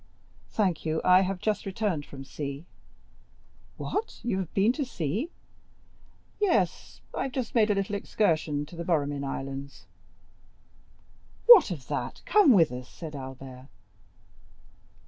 "Thank you, I have just returned from sea." "What? you have been to sea?" "Yes; I have just made a little excursion to the Borromean Islands18." "What of that? come with us," said Albert.